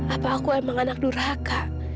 apa aku emang anak duraka